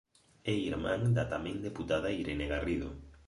É irmán da tamén deputada Irene Garrido.